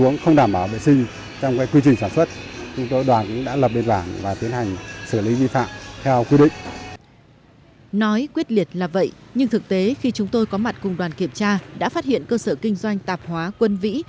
nói quyết liệt là vậy nhưng thực tế khi chúng tôi có mặt cùng đoàn kiểm tra đã phát hiện cơ sở kinh doanh tạp hóa quân vĩ